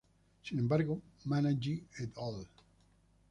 Sin embargo, Manning et al.